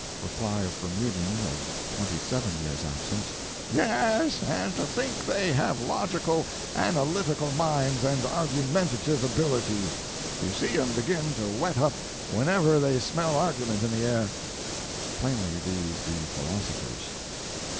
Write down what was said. Reply of Bermudian of twenty seven years' absence: "Yes; and to think they have logical, analytical minds and argumentative ability. You see 'em begin to whet up whenever they smell argument in the air." Plainly these be philosophers.